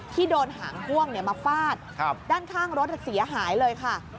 ที่โดนหางพ่วงมาฟาดด้านข้างรถเสียหายเลยค่ะ